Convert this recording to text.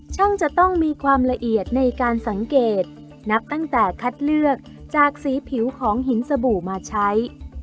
จะต้องมีความละเอียดในการสังเกตนับตั้งแต่คัดเลือกจากสีผิวของหินสบู่มาใช้